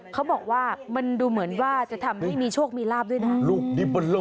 เขาบอกว่ามันดูเหมือนว่าจะทำให้มีโชคมีลาบด้วยนะ